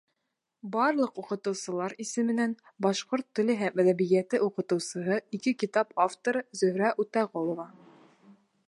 Барлыҡ уҡытыусылар исеменән башҡорт теле һәм әҙәбиәте уҡытыусыһы, ике китап авторы Зөһрә Үтәғолова: